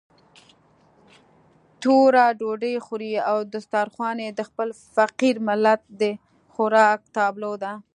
توره ډوډۍ خوري او دسترخوان يې د خپل فقير ملت د خوراک تابلو ده.